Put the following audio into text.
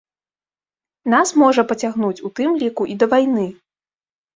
Нас можа пацягнуць, у тым ліку, і да вайны.